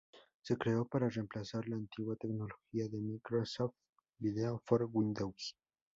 Se creó para reemplazar la antigua tecnología de Microsoft Video for Windows.